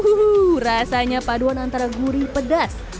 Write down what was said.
uu rasanya paduan antara gurih pedas